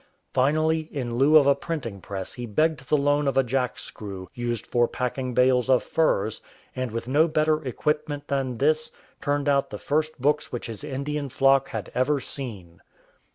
Finally, in lieu of a printing press he begged the loan of a jack screw used for packing bales of furs, and with no better equip ment than this, turned out the first books which his Indian flock had ever seen.